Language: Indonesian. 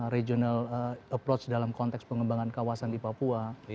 regional approach dalam konteks pengembangan kawasan di papua